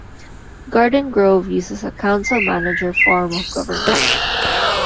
Garden Grove uses a council-manager form of government.